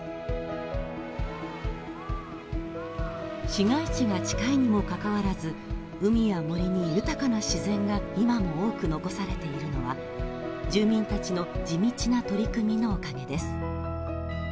市街地が近いにもかかわらず、海や森に豊かな自然が今も多く残されているのは住民たちの地道な取り組みのおかげです。